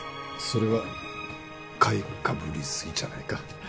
それは買いかぶりすぎじゃないか